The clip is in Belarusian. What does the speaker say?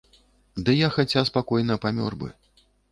Ды я хаця спакойна памёр бы.